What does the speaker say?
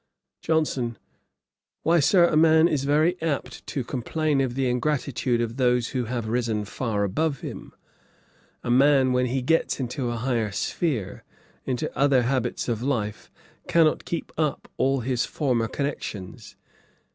JOHNSON. 'Why, Sir, a man is very apt to complain of the ingratitude of those who have risen far above him. A man when he gets into a higher sphere, into other habits of life, cannot keep up all his former connections.